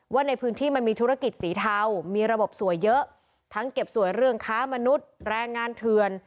ว่าในพื้นที่มันมีธุรกิจสีเทามีระบบสวยเยอะทั้งเก็บสวยเรื่องค้ามนุษย์แรงงานเถื่อน